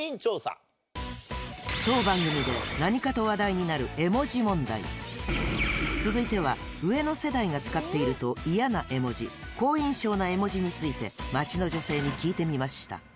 当番組で何かと話題になる続いては上の世代が使っていると嫌な絵文字好印象な絵文字について街の女性に聞いてみました